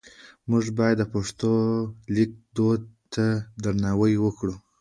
موږ باید د پښتو لیک دود ته درناوی وکړو.